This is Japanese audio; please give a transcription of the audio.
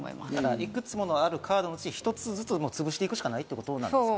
いくつもあるカードのうち、１つずつ潰していくしかないということですね。